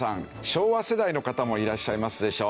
昭和世代の方もいらっしゃいますでしょう。